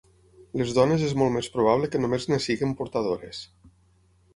Les dones és molt més probable que només en siguin portadores.